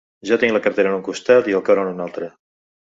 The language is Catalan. Jo tinc la cartera en un costat i el cor en un altre.